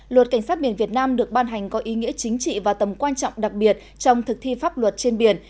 luật cảnh sát biển việt nam được ban hành có ý nghĩa chính trị và tầm quan trọng đặc biệt trong thực thi pháp luật trên biển